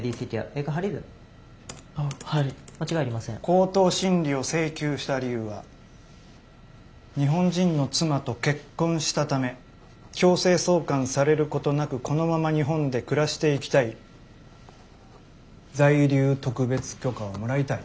口頭審理を請求した理由は日本人の妻と結婚したため強制送還されることなくこのまま日本で暮らしていきたい在留特別許可をもらいたい。